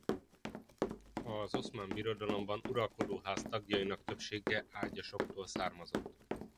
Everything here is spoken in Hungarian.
Az Oszmán Birodalomban uralkodóház tagjainak többsége ágyasoktól származott.